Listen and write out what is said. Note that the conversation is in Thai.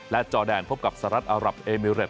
และจอแดนพบกับสหรัฐอารับเอมิเรต